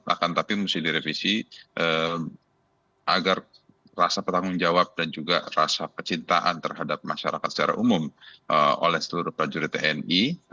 akan tapi mesti direvisi agar rasa bertanggung jawab dan juga rasa kecintaan terhadap masyarakat secara umum oleh seluruh prajurit tni